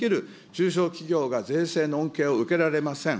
中小企業が税制の恩恵を受けられません。